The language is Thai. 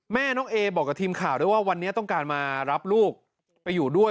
แม่น้องเอบอกกับทีมข่าวด้วยว่าวันนี้ต้องการมารับลูกไปอยู่ด้วย